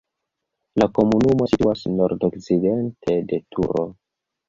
La komunumo situas nordokcidente de Turo.